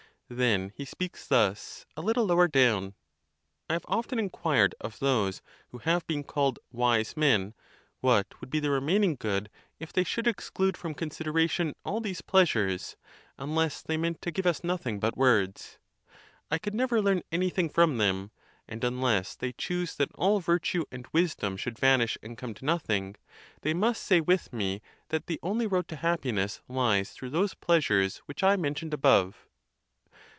Then he speaks thus, a little lower down: "I have often inquired of those who have been called wise men what would be the remaining good if they should exclude from consideration all these pleasures, unless they meant to give us nothing but words. I could never learn any thing from them; and unless they choose that all virtue and wisdom should vanish and come to nothing, they must say with me that the only road to happiness lies through those pleasures which I mentioned above."